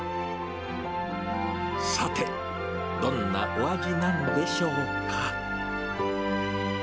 さて、どんなお味なんでしょうか。